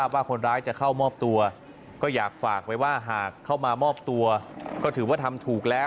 ว่าคนร้ายจะเข้ามอบตัวก็อยากฝากไว้ว่าหากเข้ามามอบตัวก็ถือว่าทำถูกแล้ว